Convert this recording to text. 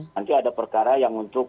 nanti ada perkara yang untuk